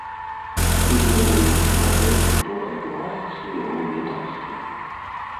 Ці ведаў ён пра тое, што адбываецца ў яго ведамстве?